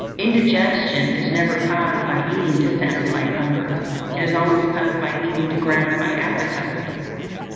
Indigestion is never caused by eating to satisfy hunger; it is always caused by eating to gratify appetite.